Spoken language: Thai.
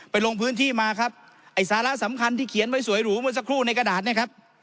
ลงพื้นที่มาครับไอ้สาระสำคัญที่เขียนไว้สวยหรูเมื่อสักครู่ในกระดาษเนี่ยครับ